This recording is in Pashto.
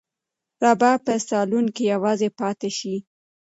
رابعه به په صالون کې یوازې پاتې شي.